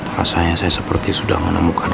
rasanya saya seperti sudah menemukan